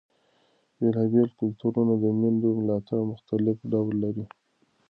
بېلابېل کلتورونه د مېندو ملاتړ مختلف ډول لري.